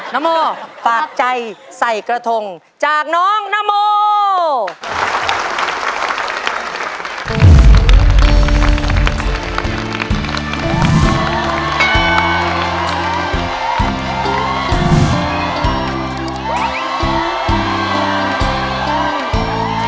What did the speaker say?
นโมฝากใจใส่กระทงจากน้องนโม